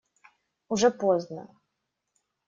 Уже поздно.